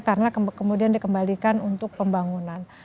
karena kemudian dikembalikan untuk pembangunan